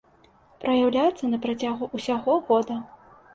Праяўляецца на працягу ўсяго года.